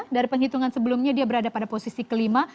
dari penghitungan sebelumnya dia berada pada posisi kelima